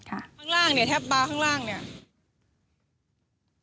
ข้างล่างเนี่ยแทบบาร์ข้างล่างเนี่ย